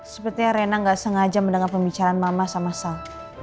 sepertinya rena gak sengaja mendengar pembicaraan mama sama sal